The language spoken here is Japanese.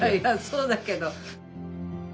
そうだけど。